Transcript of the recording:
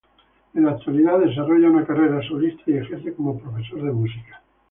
En la actualidad, desarrolla una carrera solista y ejerce como profesor de música.